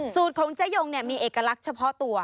ของเจ๊ยงเนี่ยมีเอกลักษณ์เฉพาะตัว